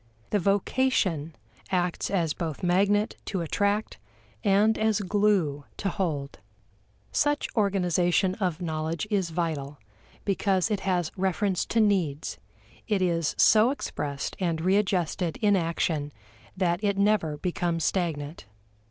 The vocation acts as both magnet to attract and as glue to hold. Such organization of knowledge is vital, because it has reference to needs; it is so expressed and readjusted in action that it never becomes stagnant.